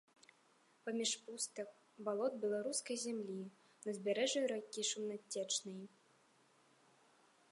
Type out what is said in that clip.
Паміж пустак, балот беларускай зямлі, на ўзбярэжжы ракі шумнацечнай.